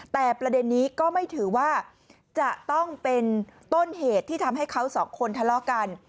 แต่ประเด็นนี้ก็ไม่ถือว่าจะต้องเป็นต้นเหตุที่ทำให้เขาสองคนทะเลาะกัน